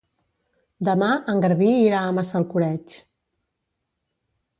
Demà en Garbí irà a Massalcoreig.